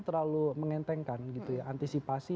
terlalu mengentengkan gitu ya antisipasi